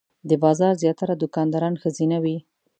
د بازار زیاتره دوکانداران ښځینه وې.